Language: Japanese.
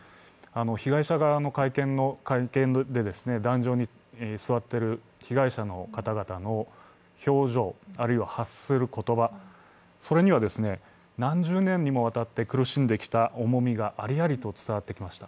被害者側の会見で壇上に座っている被害者の方々の表情、あるいは発する言葉、それには何十年にもわたって苦しんできた重みがありありと伝わってきました。